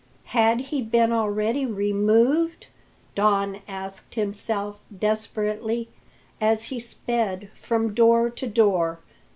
"Had he been already removed?" Don asked himself desperately, as he sped from door to door.